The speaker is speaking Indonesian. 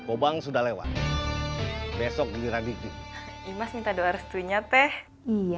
obang sudah lewat besok diragik di mas minta doa restunya teh iya